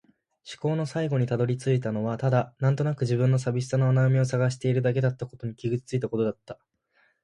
思考の最後に辿り着いたのはただ、なんとなくの自分の寂しさの穴埋めを探しているだけだったことに気がついたことだった。